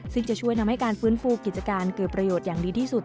ซึ่งจะช่วยทำให้การฟื้นฟูกิจการเกิดประโยชน์อย่างดีที่สุด